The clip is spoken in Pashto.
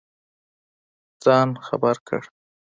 ځان خبر کړ.